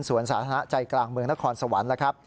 สวรรค์สาธารณะใจกลางเมืองนครสวรรค์